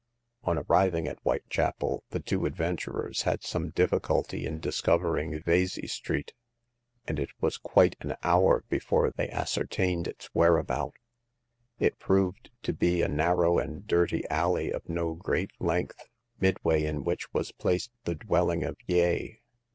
On arriving at Whitechapel, the two adven turers had some difficulty in discovering Vesey Street ; and it was quite an hour before they as certained its whereabout. It proved to be a narrow and dirty alley of no great length, mid way in which was placed the dwelling of Yeh.